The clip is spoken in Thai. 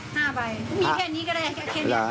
มีแค่นี้ก็ได้แค่แค่นี้